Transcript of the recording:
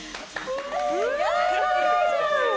よろしくお願いします